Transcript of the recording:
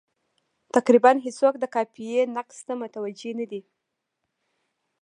تقریبا هېڅوک د قافیې نقص ته متوجه نه دي.